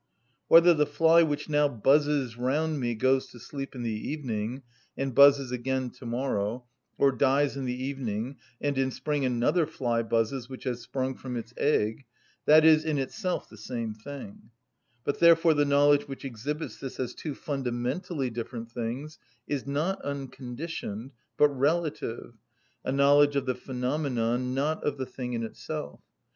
Whether the fly which now buzzes round me goes to sleep in the evening, and buzzes again tomorrow, or dies in the evening, and in spring another fly buzzes which has sprung from its egg: that is in itself the same thing; but therefore the knowledge which exhibits this as two fundamentally different things is not unconditioned, but relative, a knowledge of the phenomenon, not of the thing in itself.